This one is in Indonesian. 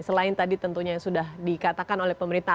selain tadi tentunya yang sudah dikatakan oleh pemerintah